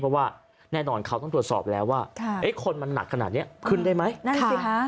เพราะว่าแน่นอนเขาต้องตรวจสอบแล้วว่าคนมันหนักขนาดนี้ขึ้นได้ไหมนั่นสิฮะ